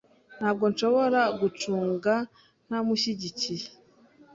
Ntabwo nshobora gucunga ntamushyigikiye .